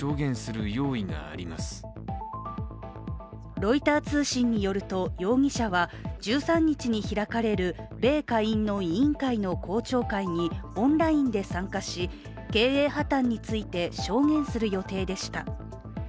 ロイター通信によると、容疑者は１３日に開かれる米下院の委員会の公聴会にオンラインで参加し経営破綻について証言する予定でした。